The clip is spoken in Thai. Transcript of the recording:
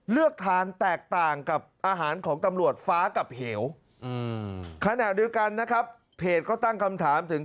เลือกทานแตกต่างกับอาหารของตำรวจฟ้ากับเหวขณะเดียวกันนะครับเพจก็ตั้งคำถามถึง